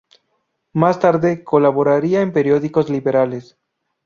Más tarde colaboraría en periódicos liberales.